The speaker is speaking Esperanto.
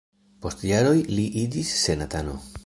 Post jaroj li iĝis senatano.